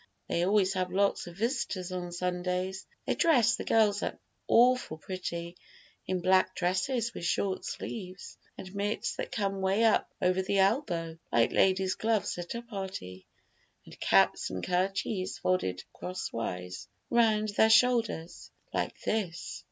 They always have lots of visitors on Sundays. They dress the girls up awful pretty in black dresses with short sleeves, and mitts that come way up over the elbow, like ladies' gloves at a party, and caps and kerchiefs folded crosswise round their shoulders, like this."